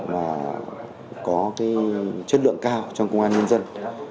và có cái chất lượng cao trong công an nhân dân